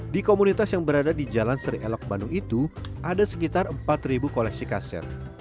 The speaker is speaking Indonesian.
di komunitas yang berada di jalan seri elok bandung itu ada sekitar empat koleksi kaset